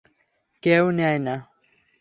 কেউ নেয় না।